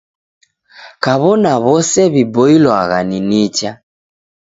Kaw'ona w'ose w'iboilwagha ni nicha.